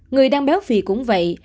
người đang béo phì cũng vậy